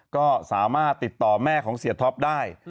ก็สามารถติดต่อแม่ของเสียท็อปได้